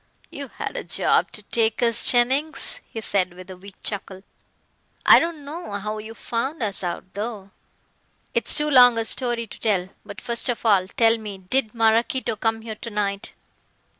"You had a job to take us, Jennings," he said with a weak chuckle. "I don't know how you found us out though." "It's too long a story to tell. But, first of all, tell me did Maraquito come here to night?"